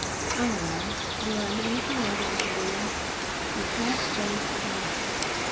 "Ah, well, you're a man of the world, Uncle William," replied James, smiling.